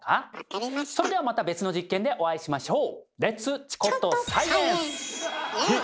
それではまた別の実験でお会いしましょう。